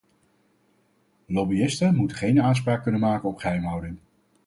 Lobbyisten moeten geen aanspraak kunnen maken op geheimhouding.